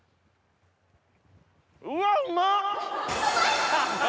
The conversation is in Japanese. うわうまっ！